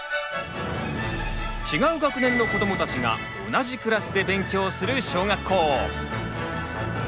違う学年の子どもたちが同じクラスで勉強する小学校。